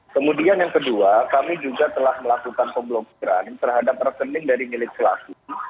kemudian yang kedua kami juga telah melakukan pemblokiran terhadap rekening dari milik pelaku